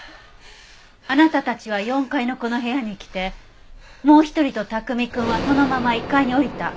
あなたたちは４階のこの部屋に来てもう一人と卓海くんはそのまま１階に降りた。